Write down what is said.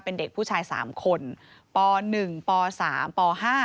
เป็นเด็กผู้ชาย๓คนป๑ป๓ป๕